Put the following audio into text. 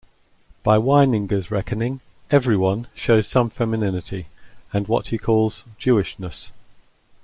By Weininger's reckoning "everyone" shows some femininity, and what he calls "Jewishness".